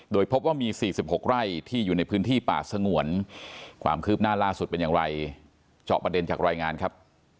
โดยพบว่ามี๔๖ไร่ที่อยู่ในพื้นที่ป่าสงวนความคืบหน้าล่าสุดเป็นอย่างไรเจาะประเด็นจากรายงานครับ